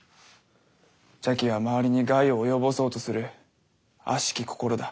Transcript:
邪気は周りに害を及ぼそうとするあしき心だ。